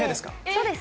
そうです。